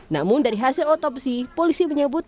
namun dari hasil otopsi polisi menyebut